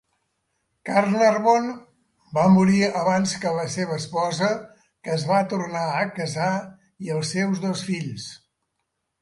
Carnarvon va morir abans que la seva esposa, que es va tornar a casar, i els seus dos fills.